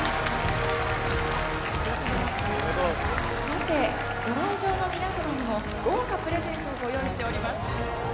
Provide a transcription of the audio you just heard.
さてご来場の皆様にも豪華プレゼントをご用意しております